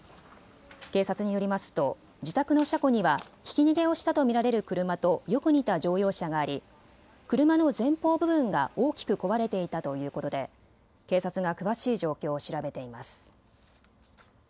警察によりますと自宅の車庫にはひき逃げをしたと見られる車とよく似た乗用車があり車の前方部分が大きく壊れていたということで警察が詳しい状況を調べています。